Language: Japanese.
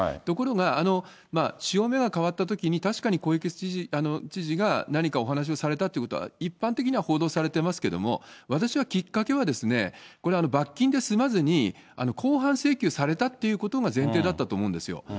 ところが、潮目が変わったときに、確かに小池知事が何かをお話をされたということは一般的には報道されていますけれども、私はきっかけは、これ、罰金で済まずに公判請求されたっていうことが前提だったと思うんですよ。